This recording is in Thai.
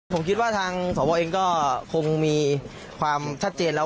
ผมคิดว่าทางสวเองก็คงมีความชัดเจนแล้ว